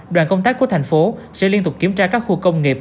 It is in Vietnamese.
đoàn công tác của thành phố sẽ liên tục kiểm tra các khu công nghiệp